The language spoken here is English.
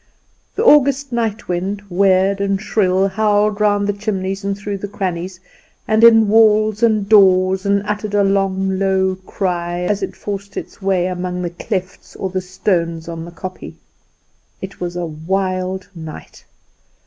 The August night wind, weird and shrill, howled round the chimneys and through the crannies, and in walls and doors, and uttered a long low cry as it forced its way among the clefts of the stones on the kopje. It was a wild night.